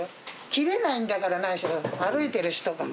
切れないんだから、何しろ、歩いてる人が。